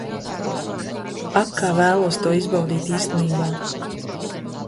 Ak, kā vēlos to izbaudīt īstenībā.